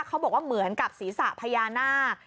เขาบอกว่าเหมือนกับศีรษะพญานาค